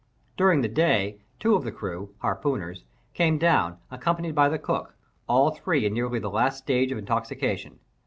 During the day two of the crew (harpooners) came down, accompanied by the cook, all three in nearly the last stage of intoxication.